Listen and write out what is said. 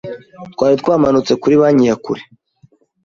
Twari twamanutse kuri banki ya kure